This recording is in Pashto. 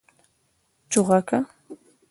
🐦 چوغکه